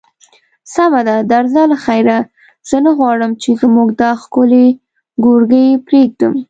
سمه ده، درځه له خیره، زه نه غواړم چې زموږ دا ښکلی کورګی پرېږدم.